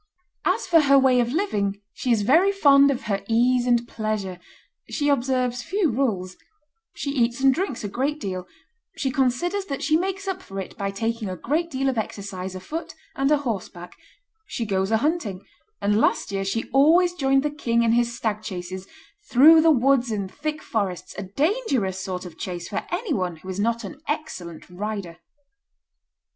As for her way of living, she is very fond of her ease and pleasure; she observes few rules; she eats and drinks a great deal; she considers that she makes up for it by taking a great deal of exercise a foot and a horseback; she goes a hunting; and last year she always joined the king in his stag chases, through the woods and thick forests, a dangerous sort of chase for anyone who is not an excellent rider.